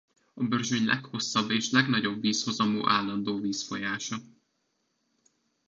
A Börzsöny leghosszabb és legnagyobb vízhozamú állandó vízfolyása.